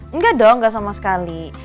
enggak dong nggak sama sekali